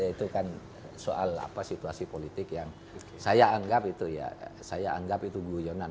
itu kan soal situasi politik yang saya anggap itu ya saya anggap itu guyonan